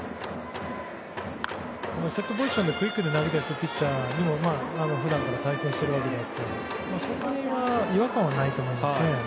セットポジションでクイックで投げたりするピッチャーと普段から対戦しているわけでそこに違和感はないと思います。